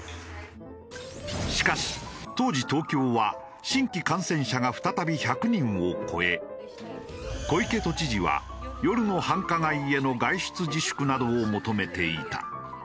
しかし当時東京は新規感染者が再び１００人を超え小池都知事は夜の繁華街への外出自粛などを求めていた。